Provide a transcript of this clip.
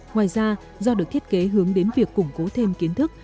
ngoài ra do được thiết kế hướng đến việc củng cố thêm kiến thức